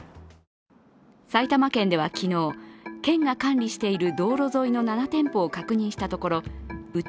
埼玉県では昨日、県が管理している道路沿いの７店舗を確認したところうち